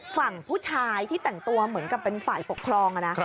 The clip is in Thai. ฝั่งผู้ชายที่แต่งตัวเหมือนกับเป็นฝ่ายปกครอง